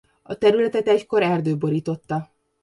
A területet egykor erdő borította.